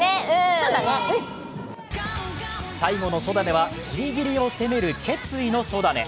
最後のそだねはギリギリを攻める決意のそだね。